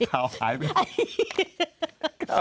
ข่าวหายไป